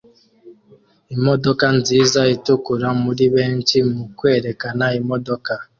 Imodoka nziza itukura muri benshi mu kwerekana imodoka